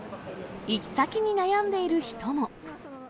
行き先に悩んでいる人も。